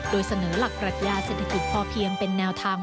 โดยเสนอหลักปรัชญาเศรษฐกิจพอเพียงเป็นแนวทาง